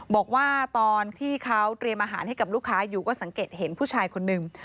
บอกว่าตอนที่เขาเตรียมอาหารให้กับลูกค้าอยู่ก็สังเกตเห็นผู้ชายคนหนึ่ง